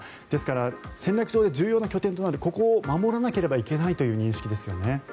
ですから、戦略上で重要な拠点となるここを守らなければいけないという認識ですよね。